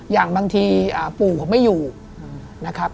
อย่างบางทีปู่เขาไม่อยู่นะครับ